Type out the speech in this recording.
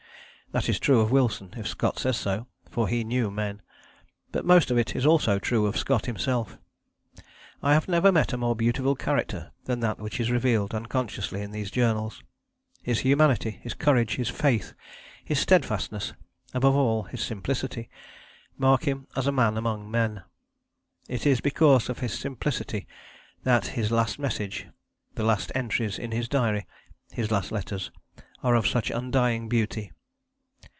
That is true of Wilson, if Scott says so, for he knew men; but most of it is also true of Scott himself. I have never met a more beautiful character than that which is revealed unconsciously in these journals. His humanity, his courage, his faith, his steadfastness, above all, his simplicity, mark him as a man among men. It is because of his simplicity that his last message, the last entries in his diary, his last letters, are of such undying beauty.